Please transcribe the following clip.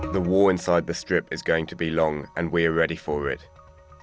perang di dalam strip akan lama dan kita siap untuknya